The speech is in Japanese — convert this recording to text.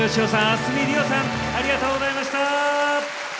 明日海りおさんありがとうございました。